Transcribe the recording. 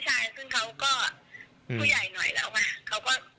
หน่อยแหละเงี้ย